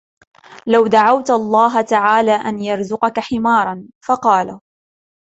لَوْ دَعَوْتَ اللَّهَ تَعَالَى أَنْ يَرْزُقَك حِمَارًا ؟ فَقَالَ